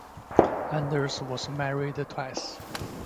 Anders was married twice.